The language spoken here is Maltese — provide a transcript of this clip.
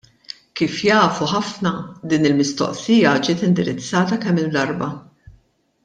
Kif jafu ħafna din il-mistoqsija ġiet indirizzata kemm-il darba.